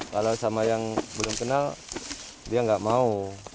kalau sama yang belum kenal dia nggak mau